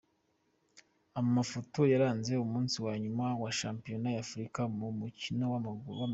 Amafoto yaranze umunsi wa nyuma wa Shampiona y’Afurika mu mu mukino w’amagare.